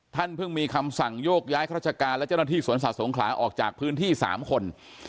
เพิ่งมีคำสั่งโยกย้ายข้าราชการและเจ้าหน้าที่สวนสัตว์สงขลาออกจากพื้นที่๓คน